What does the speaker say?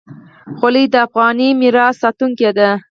خولۍ د افغاني میراث ساتونکې ده.